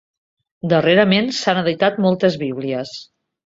Darrerament s'han editat moltes bíblies.